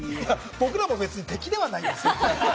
僕らも別に敵ではないんですよ。